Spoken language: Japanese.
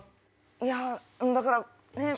いやだからねっ？